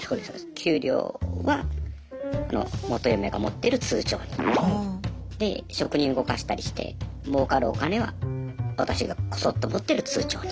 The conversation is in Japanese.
給料は元嫁が持ってる通帳にで職人動かしたりしてもうかるお金は私がこそっと持ってる通帳にって分けて。